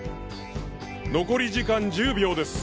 残り時間１０秒です！